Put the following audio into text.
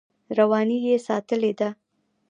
رواني یې ساتلې ده.